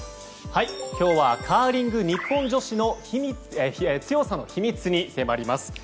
今日はカーリング日本女子強さの秘密に迫ります。